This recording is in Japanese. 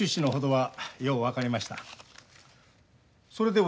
はい。